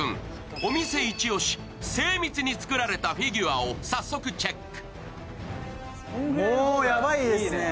お店イチオシ、精密に作られたフィギュアを早速チェック。